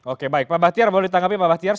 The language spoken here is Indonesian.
oke baik pak bahtiar boleh ditanggapi pak bahtiar